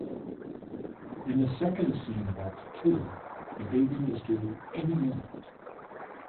In the second scene of act two, the baby is due any moment.